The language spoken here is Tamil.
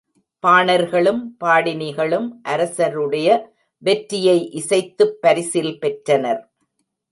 பாணர்களும், பாடினிகளும் அரசருடைய வெற்றியை இசைத்துப் பரிசில் பெற்றனர்.